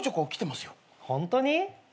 ホントに？